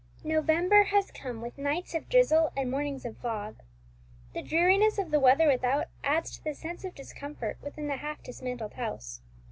November has come with nights of drizzle and mornings of fog. The dreariness of the weather without adds to the sense of discomfort within the half dismantled house.